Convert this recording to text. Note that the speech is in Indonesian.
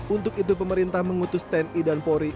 untuk itu pemerintah mengutus tni dan polri